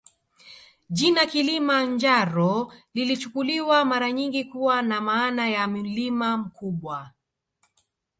Jina Kilima Njaro lilichukuliwa mara nyingi kuwa na maana ya mlima mkubwa